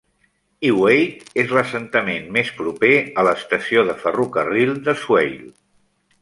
Iwade és l'assentament més proper a l'estació de ferrocarril de Swale.